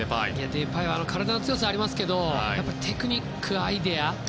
デパイは体の強さもありますけどテクニック、アイデア。